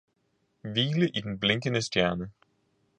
Hvile i den blinkende stjerne!